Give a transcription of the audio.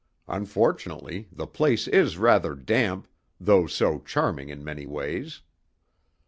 Unfortunately, the place is rather damp, though so charming in many ways.